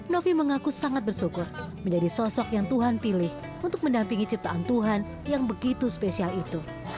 novi mengaku sangat bersyukur menjadi sosok yang tuhan pilih untuk mendampingi ciptaan tuhan yang begitu spesial itu